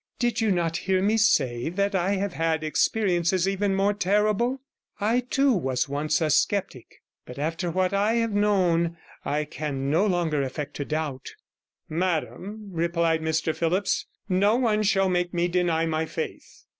'Did you not hear me say that I have had experiences even more terrible? I too was once a sceptic, but after what I have known I can no longer affect to doubt.' 'Madam,' replied Mr Phillipps, 'no one shall make me deny my faith.